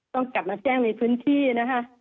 ต้องกลับมาแจ้งในพื้นที่นะคะ